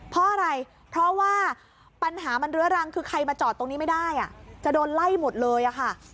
เพราะอะไรเพราะว่าปัญหามันเรื้อรังคือใครมาจอดตรงนี้ไม่ได้จะโดนไล่หมดเลยอะค่ะ